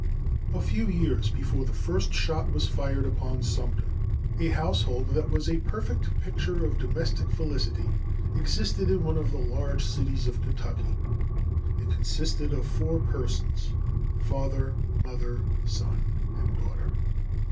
A few years before the first shot was fired upon Sumter a household that was a perfect picture of domestic felicity existed in one of the large cities of Kentucky. It consisted of four persons father, mother, son and daughter.